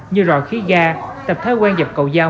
như rò khí ga tập thái quen dập cầu dao